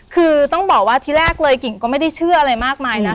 คือต้องบอกว่าที่แรกเลยกิ่งก็ไม่ได้เชื่ออะไรมากมายนะคะ